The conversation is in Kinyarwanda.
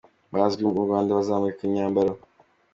Bazwi mu Rwanda bazamurika imyambaro.